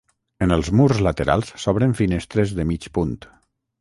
En els murs laterals s'obren finestres de mig punt.